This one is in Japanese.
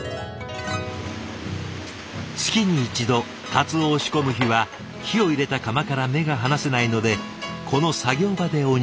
月に１度鰹を仕込む日は火を入れた釜から目が離せないのでこの作業場でおにぎりを。